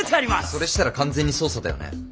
それしたら完全に捜査だよね。